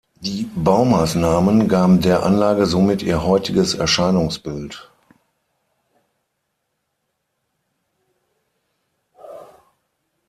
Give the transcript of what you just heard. Die Baumaßnahmen gaben der Anlage somit ihr heutiges Erscheinungsbild.